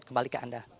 kembali ke anda